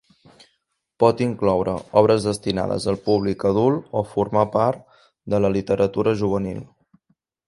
Pot incloure obres destinades al públic adult o formar part de la literatura juvenil.